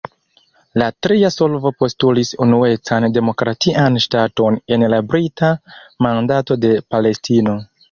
La tria solvo postulis unuecan demokratian ŝtaton en la Brita Mandato de Palestino.